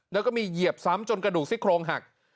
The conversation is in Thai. แล้วก็มีเหยียบซ้ำจนกระดูกซี่โครงหัก